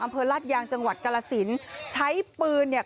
อำเภอลาดยางจังหวัดกรสินใช้ปืนเนี่ย